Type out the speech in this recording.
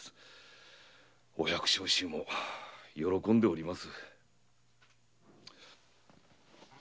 お百姓衆も喜んでおります。